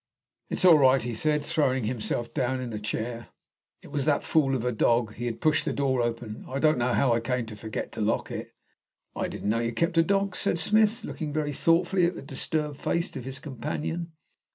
"It's all right," he said, throwing himself down in a chair. "It was that fool of a dog. He had pushed the door open. I don't know how I came to forget to lock it." "I didn't know you kept a dog," said Smith, looking very thoughtfully at the disturbed face of his companion.